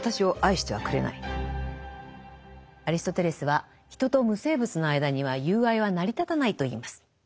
アリストテレスは人と無生物の間には友愛は成り立たないと言います。